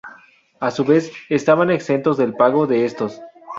A su vez, estaban exentos del pago de estos.